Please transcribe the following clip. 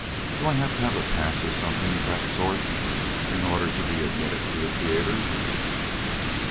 Do I have to have a pass or something of that sort in order to be admitted to the theaters?"